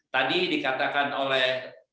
tadi dikatakan oleh